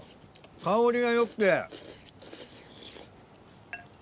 香りがよくて。